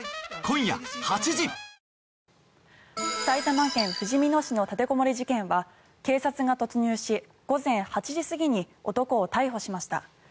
埼玉県ふじみ野市の立てこもり事件は警察が突入し、午前８時過ぎに男を逮捕しました。